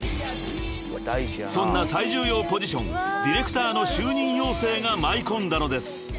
［そんな最重要ポジションディレクターの就任要請が舞い込んだのです］